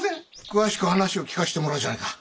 詳しく話を聞かしてもらおうじゃねえか。